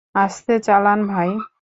আস্তে চালান ভাই?